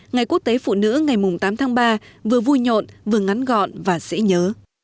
ngày quốc tế phụ nữ ngày tám tháng ba vừa vui nhộn vừa ngắn gọn và dễ nhớ